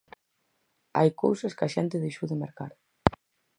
Hai cousas que a xente deixou de mercar.